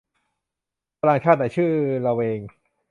ฝรั่งชาติไหนชื่อละเวง